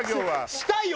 したいよ！